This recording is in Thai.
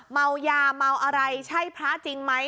เมายาเมาอะไรใช่พระจริงไหม